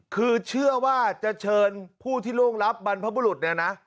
คือเชื่อว่าจะเชิญผู้ที่ล่วงรับบรรพบุรุษเนี่ยนะ